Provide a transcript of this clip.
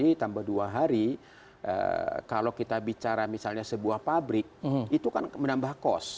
ya karena bagaimanapun dengan libur tiga hari tambah dua hari kalau kita bicara misalnya sebuah pabrik itu kan menambah kos